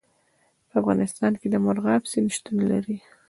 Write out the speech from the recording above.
په افغانستان کې د مورغاب سیند شتون لري.